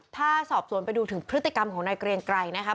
ถ้าสอบสวนไปดูถึงพฤติกรรมของนายเกรียงไกรนะครับ